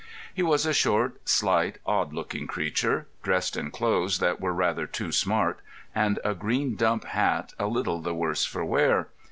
He was a short, slight, odd looking creature, dressed in clothes that were rather too smart, and a green dump hat a little the worse for wear.